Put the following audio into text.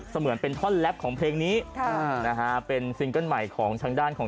เสมือนเป็นท่อนลับของเพลงนี้เป็นซิงเคิลใหม่ของทางด้านของ